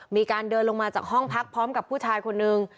มีการเดินลงมาจากห้องพักพร้อมกับผู้ชายคนนึง